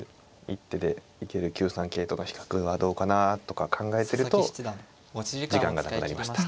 一手で行ける９三桂とか比較はどうかなとか考えてると時間がなくなりました。